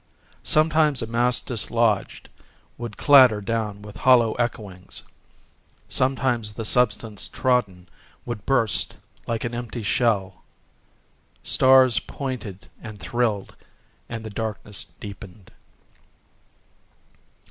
Sometimes a mass dislodged would clatter down with hollow echoings;—sometimes the substance trodden would burst like an empty shell….Stars pointed and thrilled; and the darkness deepened.